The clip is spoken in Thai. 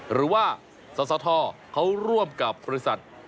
หรือว่าสสทเขาร่วมกับบริษัท